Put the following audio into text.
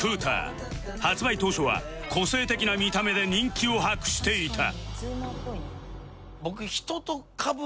発売当初は個性的な見た目で人気を博していた